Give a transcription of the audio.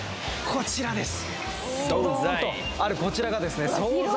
こちらです！